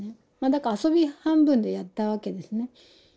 だから遊び半分でやったわけですね。